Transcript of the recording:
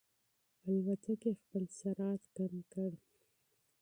الوتکې خپل سرعت کم کړ.